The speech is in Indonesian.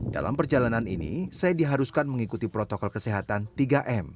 dalam perjalanan ini saya diharuskan mengikuti protokol kesehatan tiga m